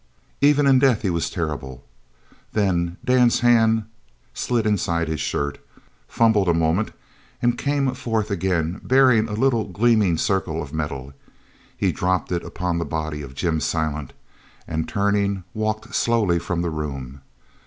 Even in death he was terrible. Then Dan's hand slid inside his shirt, fumbled a moment, and came forth again bearing a little gleaming circle of metal. He dropped it upon the body of Jim Silent, and turning, walked slowly from the room.